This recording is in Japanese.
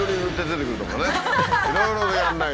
いろいろとやらないと。